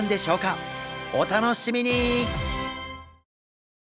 お楽しみに！